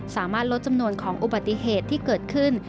สามารถลดจำนวนของอุบัติเหตุที่เกิดขึ้น